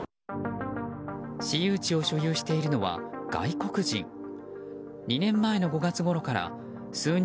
私有地を所有しているのは外国人。